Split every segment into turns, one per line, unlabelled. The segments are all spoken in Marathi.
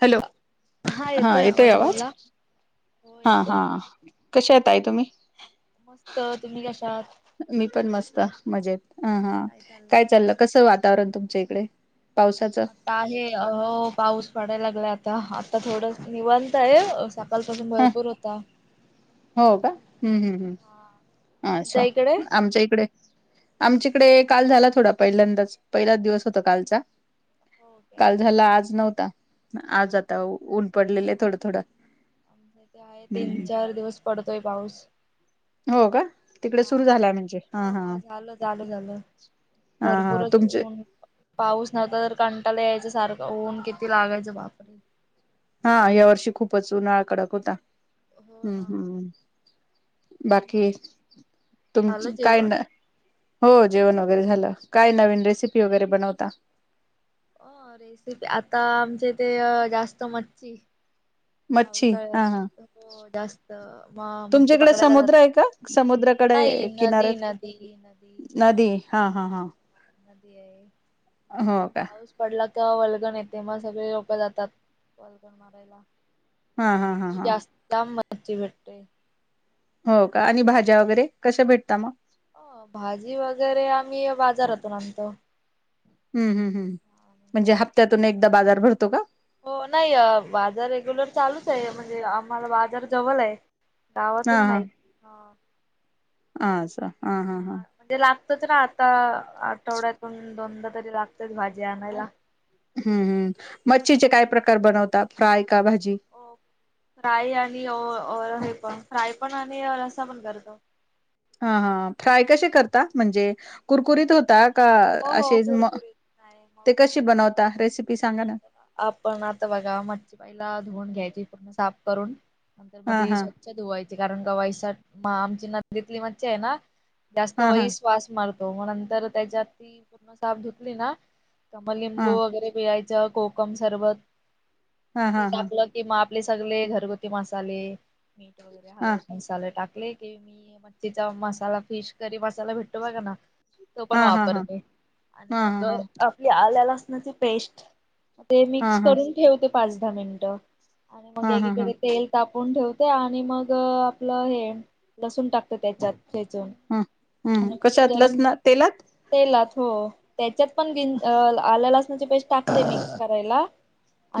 हॅलो हां येतोय आवाज?
हो
हां
येतोय
हां. कशाय ताई तुम्ही?
मस्त तुम्ही कशा आहात?
मी पण मस्त मजेत अ हा काय चाललं कसं वातावरण तुमच्या इकडे? पावसाचं
आता आहे अ पाऊस पडायला लागलाय, आता आता थोड निवांत आहे अस कालपासून
ह
भरपूर होता.
हो का हम्म हम्म
हा
हम्म
तुमच्या
अच्छा
इकडे
आमच्या इकडे आमची कडे काल झाला थोडा पहिल्यांदाच, पहिलाच दिवस होता कालचा.
हो काय
काल झाला आज नव्हता आज आता ऊन पडलेलेय थोडं थोडं.
आमच्या इथे आहे तीन
हम्म
चार दिवस पडतोय पाऊस.
हो का तिकडे
हा
सुरू झालाय म्हणजे हां
हो
हां.
झालं झालं झालं भरपूरच ऊन पाऊस नाही तर कंटाला यायचं सारखं ऊन किती लागायचं बापरे!
हा यावर्षी खूपच उन्हाळा कडक होता
हो
हम्म
ना
हम्म.
मग
बाकी तुम
झालं
काय ना
जेवण
हो जेवण वगैरे झालं काय नवीन रेसिपी वगैरे बनवता?
हो रेसिपी आता आमचे ते जास्त मच्छी
मच्छी हा हा
पावसाळ्यात हो जास्त म मच्छी पकडायला जात
कडे
नाही नदी
किनऱ्यात
नदी नदी
नदी हां हां हां
नदी अय आणि
का
पाऊस पडला का वलगण येते मग, सगळे लोक जातात वलगण मारायला.
हा हा हा हा.
जास्त जाम मच्छी भेटतेय.
हो का आणि भाज्या वगैरे कशा भेटता मगं?
हो भाजी वगैरे आम्ही बाजारातून आणतो.
हम्म हम्म हम्म म्हणजे हप्त्यातून एकदा बाजार भरतोय का?
हो नाही अ बाजार रेग्युलर चालूच आहे, म्हणजे आम्हांला बाजार जवलय.
हा
गावातून नाही हं.
[inaudible] हा हा
म्हणजे ला त ना आता आठवड्यातून दोनदा तरी लागतेच भाजी आणायला
हम्म हम् मच्छीचे काय प्रकार बनवतात फ्राय का भाजी
फ्राय आली और हे पण फ्राय पण आणि असा पण करतो
हा हा फ्राय कसे करता म्हणजे कुरकुरीत होता का
हो हो
असे म
कुरकुरीत नाही
ते
मऊ नाही
कशी
होत.
बनवता रेसिपी सांगा ना
आपण आता बघा मच्छीबाईला धुवून घ्यायची पूर्ण साफ करून नंतर मग
हा
ती
हा
स्वच्छ धुवायची कारण का वै आमची नतली म आहे ना जास्त
हा हा
वई वास मारत हो मग नंतर त्याच्यात ती पूर्ण साफ धुतली ना तर मग लिंबू
हा
वगैरे पिळायचे कोकम सरबत
हा
ते
हा हा हा
टाकलं की मा आपले सगळे घरगुती मसाले मीठ वगैरे
हा
हळद मसाले टाक की मी मच्छीचा मसाला फिश करी मसाला भेटू का ना तो पण
हा हा हा हा
वापरतो आणि
हा
मग आपली आल्या लसनाची पेस्ट ते
हा
मिक्स
हा
करून ठेवते पाच दहा मिनिटं आणि मग
हा हा
एकीकडे
ह
तेल ताप टाकून ठेवते आणि मग आपलं हे लसूण टाकत त्याच्यात ठेचून
ह हम्म
आणि ते
कशात
गरम
लसण तेलात
त्याच्यात पण आल्या लसणाची पेस् टाकते मिक्स करायला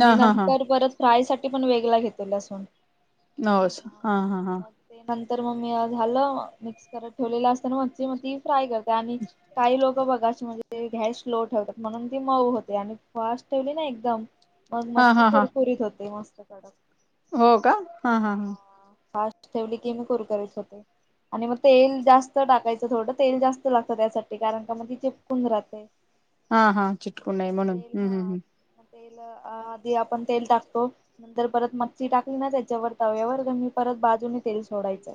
ह हा हा
नंतर परत फ्राय साठी पण वेगळा घेतेल असून
न हा हा हा
तर मग मी झालं मिक्स करत ठेवलेलं असताना म मग ती फ्राय करते आणि काही लोक बघा म्हणजे गॅस स्लो ठेवतात म्हणून ती मऊ होते आणि फास्ट ठेवली ना एकदम मग
हा
मच्छी
हा हा
कुरकुरीत होते मस्त काडक
हो का हा हा हा
ठेवली की मी कुरकुरीत होते आणि मग तेल जास्त टाकायचं थोडं तेल जास्त लागतं त्यासाठी कारण का मग ती चचेपकून राहते
हा हा चिटकु नये
मग
म्हणून
तेल
हम् हम्म
हा
हम्
मग तेल आधी आपण तेल टाकतो नंतर परत मच्चीी टाकली ना त्याच्यावर तव्यावर ग म परत बाजूने तेल सोडायचं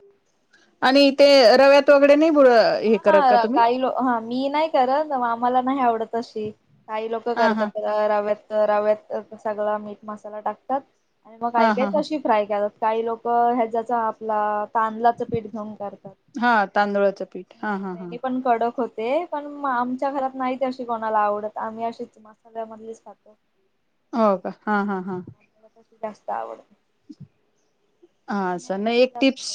आणि ते रव्यात वगरे नाही ब हे
हा
करत का
हा
तुम्ही
काही लो हा मी नाही कर ना आम्हाला नाही आवडत अशी काही लोक
हा हा
करतात राव्यात तर रव्यात सगळा मीठ मसाला टाकतात आणि मग
हा
ऐकाय
हा
त अशी फ्राय क काही लोक ह्याच्या्याचा आपला तांदळाच पीठ घेऊन काढतात हा त्यानी पण कडक होत ते पण आमच्या घरात नाही ते अशी कोणाला आवडत आम्ही अशीच मसाल्यामधलीच खातो
हो का हा हा हा
आम्हाला तशी जास्त आवड
हा नाही
आता
एक
जास्त
टिप्स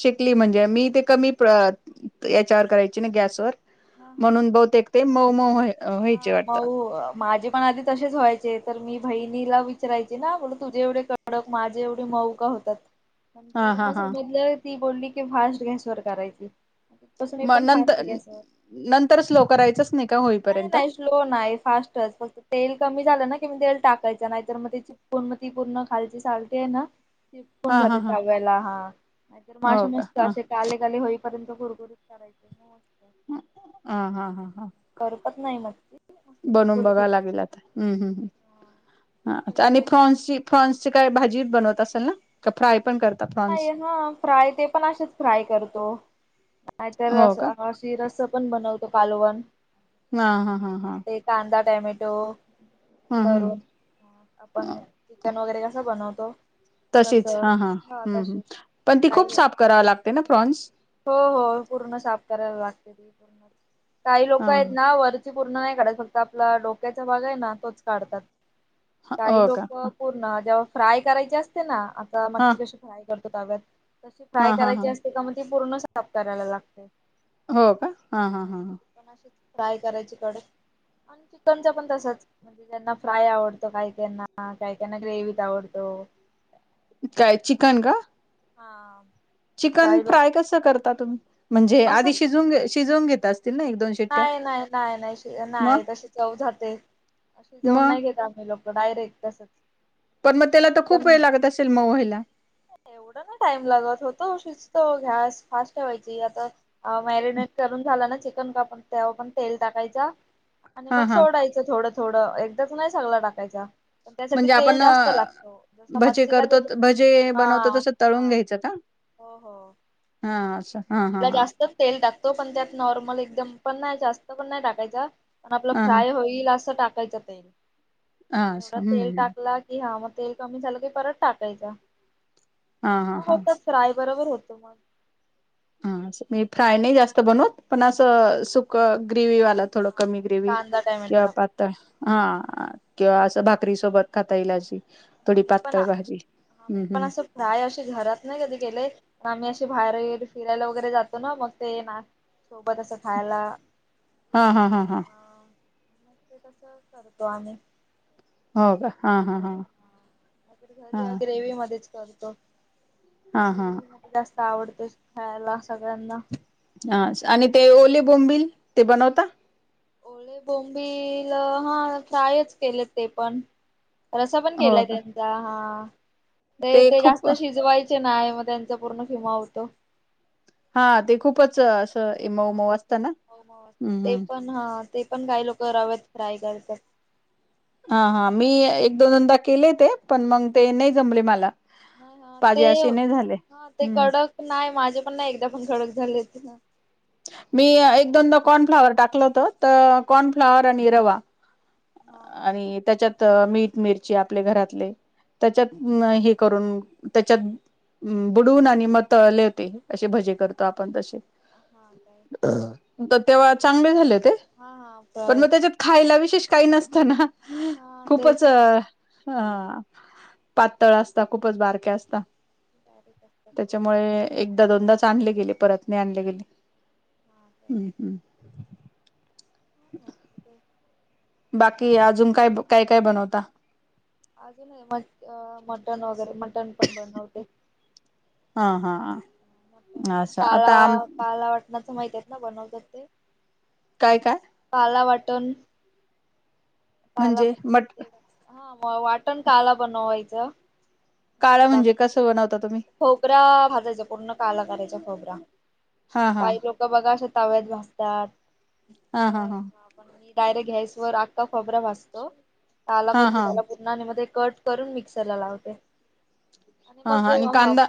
शिकली म्हणजे मी कमी याच्यावर करायची ना गॅसवर
हा हा
म्हणून
हा
बहुतेक ते मऊ
नाही
मऊ व्हायचे
हा
वाटतं
मऊ माझे पण आधी तसेच व्हायचे तर मी बहिणीला विचारयचे ना बोला तुझे एवढे कडक माझे एवढे मऊ का
हा
नंतर
हा
मग
हा
समजलं ती बोलली की फास्ट गॅस वर करायची
मग
पण
नंतर
फास्ट गॅसवर
नंतर स्लो करायचंच नाही का
नाही
होईपर्यंत
नाही स्लो नाही फास्टच फक्त तेल कमी झालं ना की तेल टाकायच नाहीत तर मग ते चिपकुन मग ती पूर्ण खालची सालटी आहे ना चिपकुण
हा हा
जाते
हा
काही वेळेला हा नाहीतर मग
हो
अशा
का
मस्त
ह
असे काळेकाळे होईपर्यंत गुरगुच करायचं नाही
ह ह हा हा हा
करपत नाही मग मस्त
बनवून
कुरकुरीत
बघाव
होते
लागेल तर हम्म हम्मम्
मस्त
अच्छा आणि
लागत
फ्रॉन्सची फ्रॉन्सची काय भाजी बनवत असेल ना का फ्राय पण करता
नाही
फ्रॉन्स
हा फ्राय ते पण असेच फ्राय करतो नाहीतर
हो
अस
का
अशी रस पण बनवतो कालवण
हा हा हा हा
टोमॅटो
ह
करून आपण चिकन वगैरे कस बनवतो
तशीच
तसं
हा हा हम्
तसे
पण ती खूप
काही
साफ करावी लागते ना प्रॉन्स
हो हो पूर्ण साफ करायला लागते काही लोक
हा
आहेत ना वर पूर्ण नाही काढत फक्त आपला डोक्याचा भाग आहे ना तोच काढतात काही
हो
लोक
का
पूर्ण जेव्हा फ्राय करायचे असते ना आता
हा
मच्छी फ्राय करतो तव्यात तशी फ्राय
हा हा हा
करायची असते का मग ती पूर्ण साफ करायला लागते
हो का हा हा हा ह
काय करायच कडे आणि चिकनचा पण तसाच म्हणजे ज्यांना फ्राय आवडतो काही त्यांना काही त्यांना ग्रेवीत आवडतो
काय चिकन का
हा
चिकन
काही लोक
फ्राय कस करता तुम्ही म्हणजे आधी
असंच
शिजवून शिजून घेता
नाही नाही नाही नाही
मग
नाही तसे चव जाते अशी जाऊन
मग
नाही घेेत आम्ही लोक डायरेक्ट तसच
पण मग त्याला तर खूप
चिकन
वेळ लागत असेल मऊ व्हायला
एवढा नाही टाईम लागत होत अहो शिजत गॅस फास्ट ठेवायची आता मॅरिनेट करून झाला ना चिकन कापून त्यावर पण तेल टाकायचा आणि
हा
मग
हा
सोडायच थोडं थोडं एकदाच नाही सगळं टाकायचा पण त्यासाठी
म्हणजे
तेल
आपण
जास्त लागतो जस
भजे
मच्छीला
करतो
घेतो
भजे
हा
बनवतो तस तळून
हा
घ्यायचं का हा हा हा
तिला
हा
जास्त तेल टाकतो पण त्यात नॉर्मल एकदम पण नाही जास्त पण नाही टाकायचा पण आपलं
हा हा
फ्राय होईल असं टाकायचं तेल
हा
तेवढा
असं
तेल
हम्म
टाकला कि हा मग तेल कमी झालं की परत टाकायच
हा हा हा
बरोबर होतो मग
हा मी फ्राय नाही जास्त बनवत पण असं सुक ग्रेवी वालं थोडं
हा
कमी ग्रेवी
कांदा टॅमॅटो
किंवा पातळ हा किंवा असं भाकरी सोबत खाता येईल अशी
हा
थोडी
मी पण
पातळ भाजी
हा
हम्म
मी पण
हम्म
असं फ्राय अस घरात नाही कधी केलंय पण आम्ही अशी बाहेर फिरायला वगैरे जातो ना मग ते ना सोबत असं खायला
हा हा हा हा
अ मग ते तस करतो आणि
हो का
हा नाहीर घरी
हा
या ग्रेवी मध्येच करतो
हा हा
ग्रेवी मध्ये जास्त आवडते खायला सगळ्यांना
हा
घरात
आणि ते ओले बोंबिल ते बनवता
ओळे बोंबल हा काायच केले ते पण रसा पण
हो
केलाय
का
त्यांचा हा ते ते जास्त शिजवायच ना आहे मग त्यांचा पूर्ण फिमा होतो
हा ते खूपच
ह
असं मऊ मऊ असतं ना
हो म
हम्म
ते
हम्म
पण हा ते पण काही लोक रवत फ्राय करत
हा हा मी एक दोन दोनदा केले ते पण मग ते नाही जमले मला
नाही हा
पाजे
ते
असे नाही झाले
हा ते
हम्म
कडक नाही माझ म्हणे पण नाही एकदा पण कडक झाले ति
मी एक दोन दो कॉर्नफ्लावर टाकलं होत तर कॉर्नफ्लाॉवर आणि रवा
हा
आणि त्याच्यात मीठ मिरची आपले घरातले त्याच्यात हे करून त्याच्यात बुडून आणि म तळले होते असे भजे करतो आपण तसे
हा काय
तर तेव्हा चांगले झाले ते
हा हा
पण
काय
मग त्याच्यात खायला विशेष काही नसत ना
हा तेच
खूपच
ना.
अ पातळ असता खूपच बारके असता.
बारीक असतात ते
त्याच्यामुळे एकदा दोनदाच आणले गेले परत नाही आणले गेले.
हा
हम्म हम्म.
ह मत ते
बाकी अजून काय काय काय बनवता?
अजून म मटन वगैरे मटन पण बनवते
हा हा हा.
प पण
असं
पाला
आता आम
पाला वाटण्याच माहितेत ना बनवतात ते
काय काय
ला वाटून काला
म्हणजे मट
हा मग वाटण काला बनवायचं मस्त
काळ
लाग
म्हणजे कसं बनवता तुम्ही?
खोबरा भाजायच्या पूर्ण काला करायच्या खोबरा
हा हा
काही लोक बघा शक तवेत भाजतात
हा हा
तर
हा
पण मी डायरेक्ट घॅस वर आखखा खोबरा भासतो आला
हा
करतो
हा
त्याला पूर् आणि मध्ये कट करून मिक्सरला लावते आणि
हा
मग
आणि
ह
कांदा?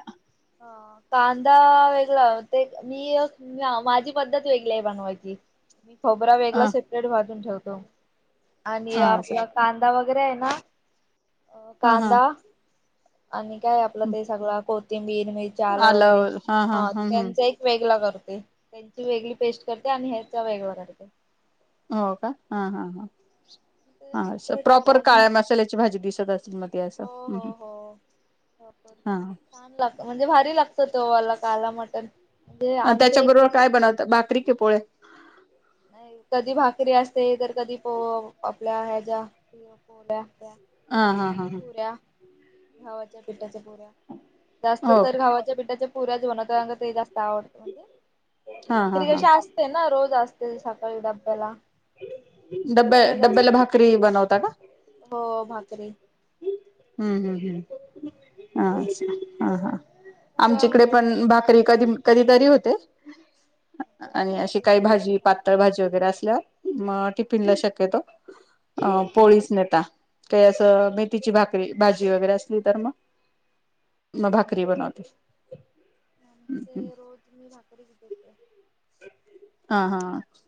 कांदा वेगळा ते मी माझी पद्धत वेगळी आहे बनवायची. मी खोबरा वेगळा
हा
सेपरेट भाजून ठेवतो आणि
हा असं
आपला कांदा वगैरे आहे. अ
हा हा.
कांदा आणि काय आपलं ते सगळं कोथिंबीर मिरची अल्लं वगैरे
आलं
हा
हम्म हम्म
त्यांचा एक वेगळा करतो. त्यांची वेगळी पेस्ट करते आणि हचा वेगळा राते
हो का हा हा हा.
ते
हा असं
नंतर टाकते
प्रॉपर
आणि
काळ्या मसाल्याची भाजी दिसत असल मग ते असं
हो
ह्
हो हो छान लागतं म्हणजे भारी लागत तवाला काला मटण. म्हणजे
अ त्याच्या
आमचे एक
बरोबर काय बनवत बाकरी कि पोळी?
नाही कधी भाकरी असते इ तर कधी पो आपल्या ह्याच्या पोल्या त्या
हा हा हा हा.
घावाच्या पिठाच्या पुऱ्या जास्त
हो
तर घावाच्या पिठाच्या पुऱ्या ज होना कार ते जास आवडत म्हणजे
हा हा
भाकरी
हा
कशी असते ना रोज असते सकाळी डब्याला.
डब्या
पुऱ्या
डब्याला
जास्त ना
भाकरी बनवता का?
हो भाकरी
हम्म हम्म हम्म हा अच्छा, हा हा.
पुऱ्या
आमच्याकडे
वगैरे
पण भाकरी कधी कधीतरी होते. आणि
आमच्या
अशी
ते
काही
रोजची
भाजी
भाकर
पातळ भाजी वगैरे असल्याव म
हा
पिलन शक्यतो अ पोळीच नेतात ते असं मेथीची भाक री भाजी वगैरे असली तर मग. मग
हा
भाकरी बनवते
म्हणजे ते रोज मी भाकरीच देत.
हा हा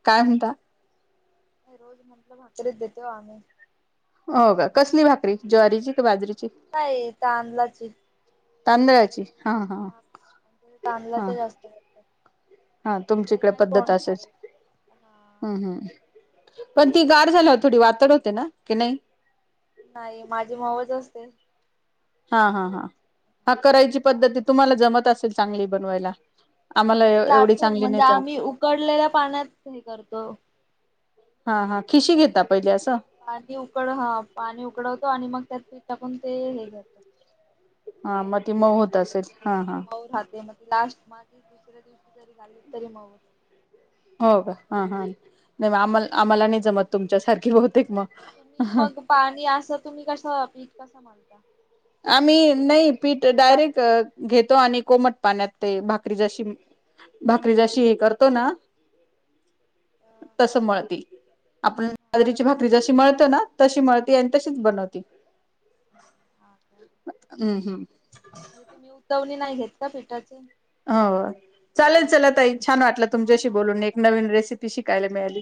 काय म्हणता?
नाही रोज म्हटल भाकरीच देतोय ओ आम्ही.
हो का कसली भाकरी ज्वारीची की बाजरीची?
जी
तांदळाची.
हा का? अन ताणला
हा
ट जास्त [inaudible]
हा तुमची
ते
इकडे
नाही
पद्धत
कोण
अशीच
खाईत हा
हम्म हम्म, पण ती गाढ झाल्याव थोडी वातड होते ना, की नाही?
नाही माझी मऊच असते.
हा हा हा हा, करायची पद्धत ती तुम्हाला जमत असेल चांगली बनवायला. आम्हाला
मी
एवढी
लाटून
चांगली
म्हणजे
नाही जमत
आम्ही उकडलेल्या पाण्यात हे करतो.
हा हा खिशी घेता पहिले असं
पाणी उकड ह पाणी उकडवतो आणि मग त्यात पीठ टाकून ते हे घेत
हा मग ती मऊ होत असेल हा हा.
मऊ राहते मग लास्ट मागे दुसऱ्या दिवशी जरी घालं तरी मऊ होत
हो का हा हा नाही आम आम्हाला नाही जमत तुमच्यासारखी ब
तुम्ही मग पाणी असं तुम्ही कसं पीठ कसं मलता?
आम्ही नाही पीठ डायरेक्ट घेतो आणि कोमट पाण्यात ते भाकरी जशी, भाकरी जशी हे करतो ना. तसं मळती. आपण बाजरीची भाकरी जशी मिळतो ना तशी मळती आणि तशीच बनवती.
हा का
हम्म हम्म.
म्हणजे तुम्ही उतवणी नाही घेत का पिठाचे?
हो चालेल चला ताई, छान वाटलं
हा
तुमच्याशी
हा
बोलून एक
मला
नवीन रेसिपी शिकायला मिळाली.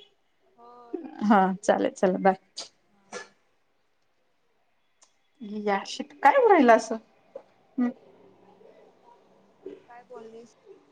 हो
हा
थँक्यू
चालेल चला बाय.
हा बाय.
या शिट का होऊ राहीलं असं?
काय बोलायचा? काय बोललीस?